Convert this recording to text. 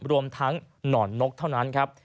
รวมทั้งหนอนนกเท่านั้นครับ